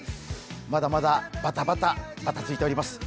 まだまだバタバタばたついております。